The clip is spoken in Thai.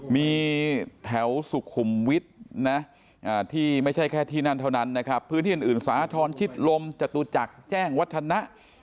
มีแถวสุขุมวิทย์นะที่ไม่ใช่แค่ที่นั่นเท่านั้นนะครับพื้นที่อื่นสาธรณ์ชิดลมจตุจักรแจ้งวัฒนะ